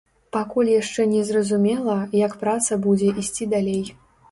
Пакуль яшчэ не зразумела, як праца будзе ісці далей.